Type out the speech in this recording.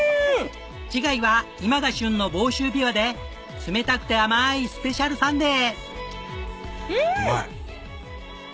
次回は今が旬の房州びわで冷たくて甘いスペシャルサンデー！